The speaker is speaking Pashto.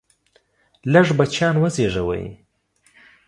لږ بچیان وزیږوئ!